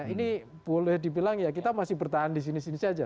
ini boleh dibilang ya kita masih bertahan di sini sini saja